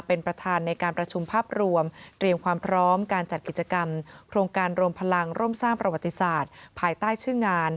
เป็นประธานในการประชุมภาพรวมเตรียมความพร้อมการจัดกิจกรรมโครงการโรมพลัง